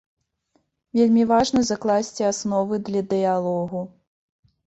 Вельмі важна закласці асновы для дыялогу.